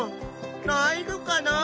ないのかな？